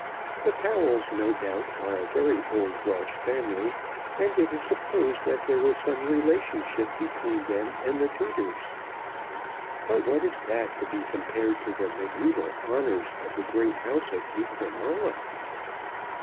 The Powells no doubt are a very old Welsh family, and it is supposed that there was some relationship between them and the Tudors. But what is that to be compared to the mediæval honours of the _great House of Di Crinola?